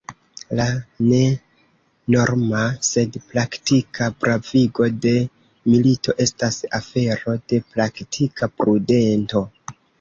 La ne norma, sed praktika pravigo de milito estas afero de praktika prudento.